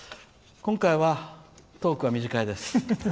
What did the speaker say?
今回はトークは短いです。